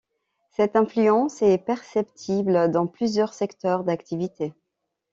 Cette influence est perceptible dans plusieurs secteurs d'activités.